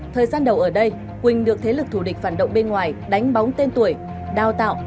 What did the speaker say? thời gian đầu ở đây quỳnh được thế lực thù địch phản động bên ngoài đánh bóng tên tuổi đào tạo